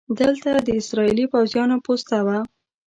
دلته د اسرائیلي پوځیانو پوسته وه.